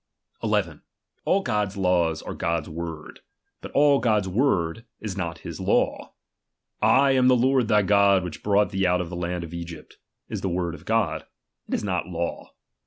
11. All God's laws are God's word; but all "if 'i;'""*'* God's word is not his law. I am the Lord thy howtobckown God which brought thee out of the land of Egypt, is the word of God ; it is no law.